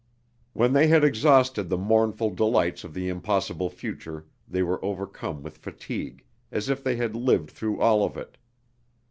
When they had exhausted the mournful delights of the impossible future they were overcome with fatigue, as if they had lived through all of it.